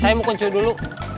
saya mau kunci dulu